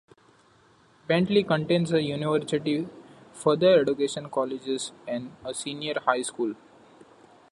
Bentley contains a university, further education colleges and a senior high school.